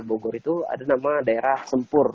bogor itu ada nama daerah sempur